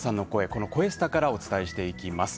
この「こえスタ」からお伝えしていきます。